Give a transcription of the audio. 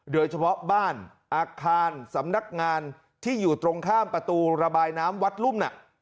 โดยเฉพาะบ้านอาคารสำนักงานที่อยู่ตรงข้ามประตูระบายน้ำวัดรุ่มน่ะ